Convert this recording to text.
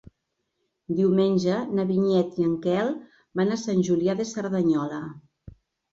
Diumenge na Vinyet i en Quel van a Sant Julià de Cerdanyola.